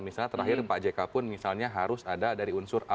misalnya terakhir pak jk pun misalnya harus ada dari unsur